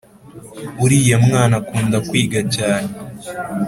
uriya mwana akunda kwiga cyane